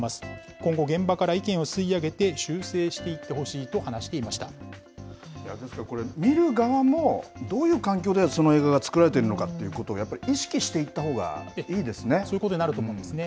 今後、現場から意見を吸い上げて、修正していってほしいと話していですけど、これ、見る側もどういう環境でその映画が作られているのかということを、やっぱりそういうことになると思うんですね。